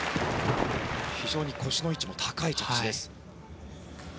非常に腰の位置も高い着地です。